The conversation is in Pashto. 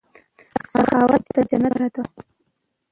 سخاوت د جنت لاره ده.